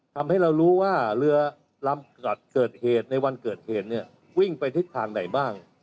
ทำให้เรารู้ว่าเรือลำเกิดเหตุในวันเกิดเหตุเนี่ยวิ่งไปทิศทางไหนบ้าง